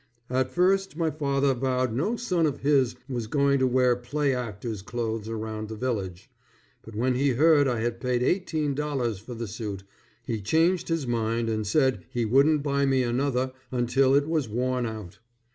At first, my father vowed no son of his was going to wear play actor's clothes around the village, but when he heard I had paid $18 for the suit, he changed his mind and said he wouldn't buy me another until it was worn out.